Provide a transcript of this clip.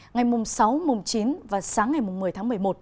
ngày sáu chín và sáng ngày một mươi tháng một mươi một